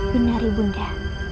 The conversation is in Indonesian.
benar ibu nia